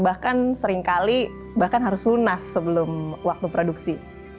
bahkan seringkali bahkan harus lunas sebelum waktu produksi